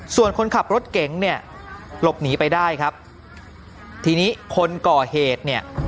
ส่วนคนขับรถเก๋งเนี่ยหลบหนีไปได้ครับทีนี้คนก่อเหตุเนี่ย